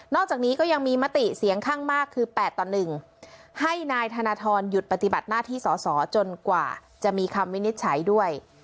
อกจากนี้ก็ยังมีมติเสียงข้างมากคือ๘ต่อ๑ให้นายธนทรหยุดปฏิบัติหน้าที่สอสอจนกว่าจะมีคำวินิจฉัยด้วย